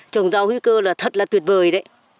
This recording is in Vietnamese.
trồng rau hữu cơ là thật là tuyệt vời đấy